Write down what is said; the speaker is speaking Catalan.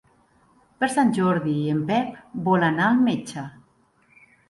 Per Sant Jordi en Pep vol anar al metge.